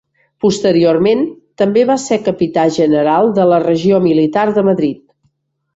Posteriorment també va ser capità general de la regió militar de Madrid.